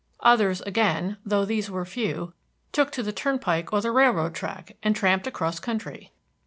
Others again, though these were few, took to the turnpike or the railroad track, and tramped across country.